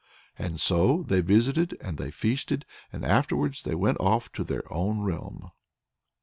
And so they visited, and they feasted; and afterwards they went off to their own realm.